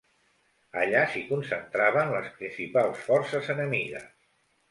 Allà s'hi concentraven les principals forces enemigues.